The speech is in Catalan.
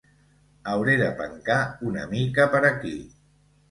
Hauré de pencar una mica per aquí.